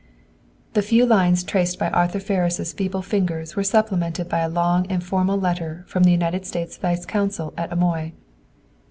The few lines traced by Arthur Ferris' feeble fingers were supplemented by a long and formal letter from the United States Vice Consul at Amoy.